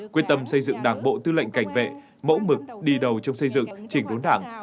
quyết tâm xây dựng đảng bộ tư lệnh cảnh vệ mẫu mực đi đầu trong xây dựng chỉnh đốn đảng